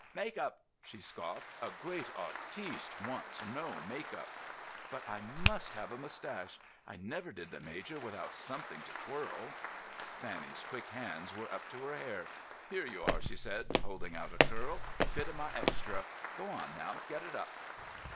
"Make up!" she scoffed. "A great artiste wants no make up!" "But I must have a moustache. I never did the major without something to twirl." Fanny's quick hands were up to her hair. "Here you are," she said, holding out a curl. "Bit of my extra. Go on now. Get it up."